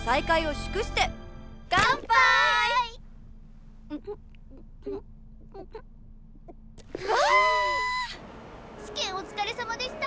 試験お疲れさまでした！